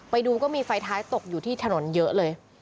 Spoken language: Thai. ไปดูก็มีไฟท้ายตกอยู่ที่ถนนเยอะเลย